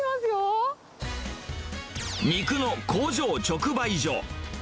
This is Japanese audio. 肉の工場直売所。